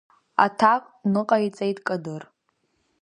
Аҭак ныҟаиҵеит Кадыр.